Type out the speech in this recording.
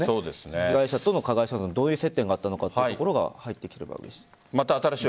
被害者と加害者のどういう接点があったのかというところが入ってきてほしい。